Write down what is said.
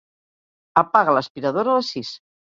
Apaga l'aspiradora a les sis.